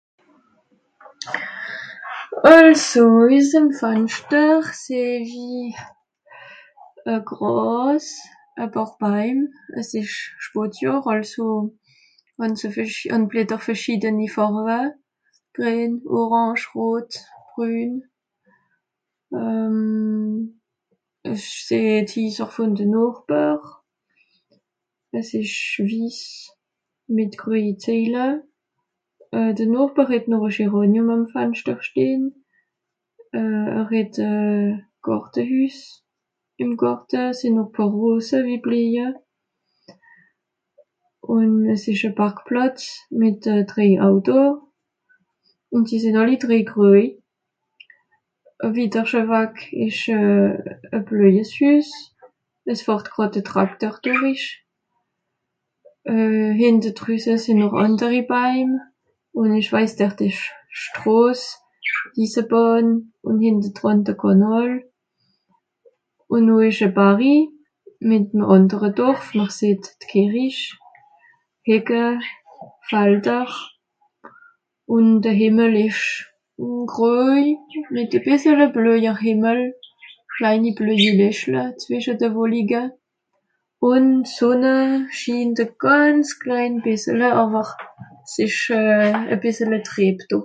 Depuis la fenêtre je vois de l'herbe, quelques arbres c'est l'automne, ils ont plusieurs couleurs : vert orange brun. Je vous les maisons des voisins , blanc avec des tuiles grises le voisin a encore un géranium à la fenêtre il a une cabane de jardins. Il y a encore quelques roses qui fleurissent plus loin il y a une maison bleue avec un tracteur qui passe devant. Derrière il y a encore d'autres maisons , la rue, le chemin de fer, le canal. Puis une montagne ,avec un autre village on voit l'église, des buissons, des champs et le ciel est gris avec un peu de ciel bleu et le soleil brille un tout petit peu mais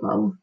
c'est brumeux